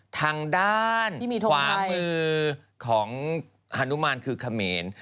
ทางด้านขวามือของฮานุมานคือเขมร